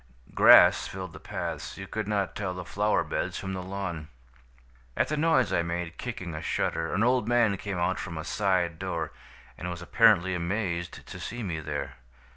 Grass filled the paths; you could not tell the flower beds from the lawn. "At the noise I made kicking a shutter, an old man came out from a side door and was apparently amazed to see me there.